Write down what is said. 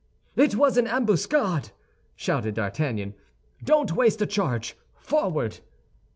"It was an ambuscade!" shouted D'Artagnan. "Don't waste a charge! Forward!"